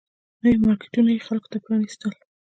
نوي مارکیټونه یې خلکو ته پرانيستل